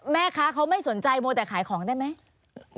แม่ค้าเขาไม่สนใจมัวแต่ขายของได้ไหม